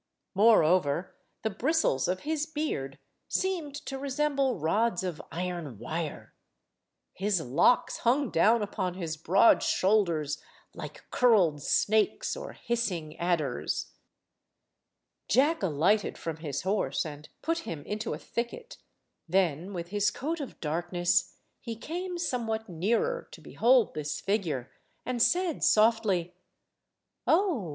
Moreover, the bristles of his beard seemed to resemble rods of iron wire. His locks hung down upon his broad shoulders, like curled snakes or hissing adders. Jack alighted from his horse and put him into a thicket, then, with his coat of darkness, he came somewhat nearer to behold this figure, and said softly— "Oh!